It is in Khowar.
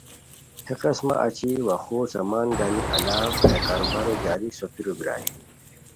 ہیہ قسمہ اچی وا خور سامان گنی الاؤ ہیہ کاروبارو جاری سوتیرو بیرائے